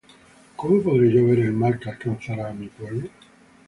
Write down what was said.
¿cómo podré yo ver el mal que alcanzará á mi pueblo?